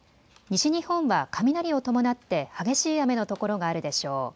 西日本は雷を伴って激しい雨の所があるでしょう。